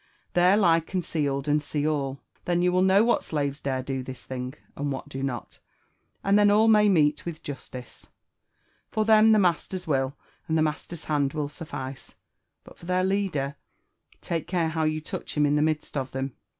There lie concealed and see all. Then you will know what slaves dare do this thing, an4 what do not ; and then all may meet with justice. For them, the master's will, and the master's hand will suffice;— but for their leader; — take care how you touch him in the midst of them